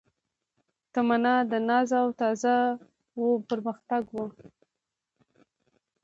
تمنا د ناز او تاز و پرمختګ و